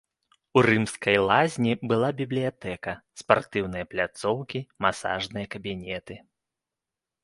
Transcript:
У рымскай лазні была бібліятэка, спартыўныя пляцоўкі, масажныя кабінеты.